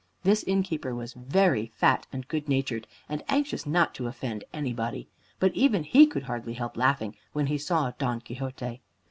This innkeeper was very fat and good natured, and anxious not to offend anybody, but even he could hardly help laughing when he saw Don Quixote.